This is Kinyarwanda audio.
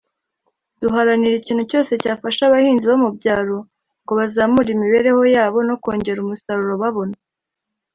Duharanira ikintu cyose cyafasha abahinzi bo mu byaro ngo bazamure imibereho yabo no kongera umusaruro babona